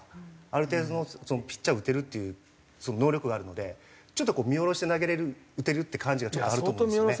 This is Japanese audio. ある程度のピッチャー打てるっていう能力があるのでちょっと見下ろして投げられる打てるって感じがちょっとあると思うんですよね。